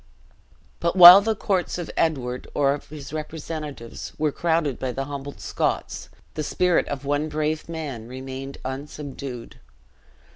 But while the courts of Edward, or of his representatives, were crowded by the humbled Scots, the spirit of one brave man remained unsubdued.